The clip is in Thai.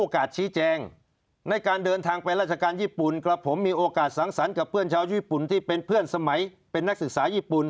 คนที่เป็นเพื่อนสมัยเป็นนักศึกษาญี่ปุ่น